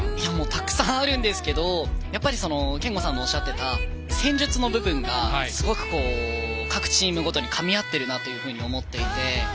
たくさんあるんですけど憲剛さんのおっしゃっていた戦術の部分がすごく各チームごとにかみ合ってるなというふうに思っていて。